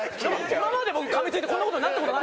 今まで僕かみついてこんな事になった事ない。